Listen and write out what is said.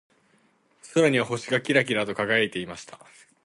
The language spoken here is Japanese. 空には星がキラキラと輝いていました。